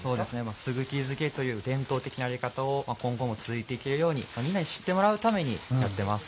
すぐき漬けという伝統的なものを今後も続いていけるようにみんなに知ってもらえるようにやっています。